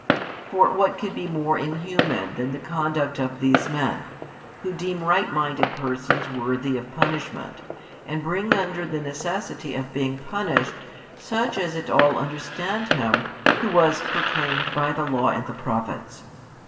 For what could be more inhuman than the conduct of these men, who deem right minded persons worthy of |36 punishment, and bring under the necessity of being punished, such as at all understand Him Who was proclaimed by the Law and the Prophets?